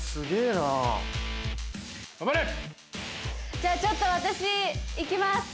じゃあちょっと私行きます。